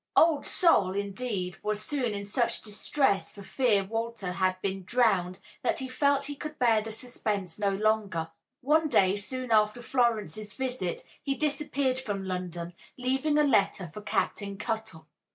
Old Sol, indeed, was soon in such distress for fear Walter had been drowned, that he felt he could bear the suspense no longer. One day, soon after Florence's visit, he disappeared from London, leaving a letter for Captain Cuttle.